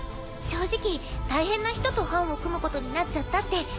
正直大変な人と班を組むことになっちゃったって